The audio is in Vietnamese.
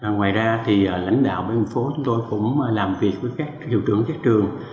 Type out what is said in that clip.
ngoài ra thì lãnh đạo bên phố chúng tôi cũng làm việc với các hiệu trưởng các trường